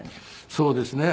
そうですね。